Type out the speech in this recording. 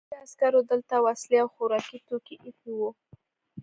روسي عسکرو دلته وسلې او خوراکي توکي ایښي وو